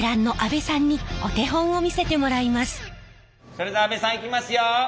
それでは阿部さんいきますよ。